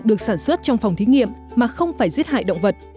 được sản xuất trong phòng thí nghiệm mà không phải giết hại động vật